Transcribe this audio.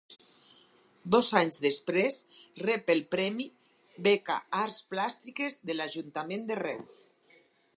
Dos anys després rep el premi Beca Arts Plàstiques, de l’Ajuntament de Reus.